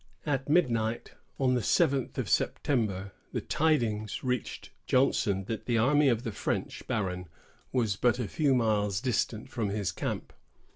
At midnight, on the seventh of September, the tidings reached Johnson that the army of the French baron was but a few miles distant from his camp.